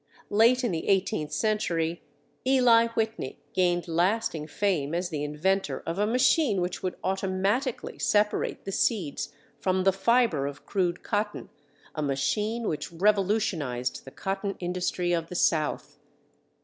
Late in the eighteenth century, Eli Whitney gained lasting fame as the inventor of a machine which would automatically separate the seeds from the fiber of crude cotton—a machine which revolutionized the cotton industry of the south.